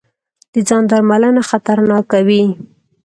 د ځاندرملنه خطرناکه وي.